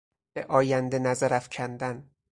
به آینده نظر افکندن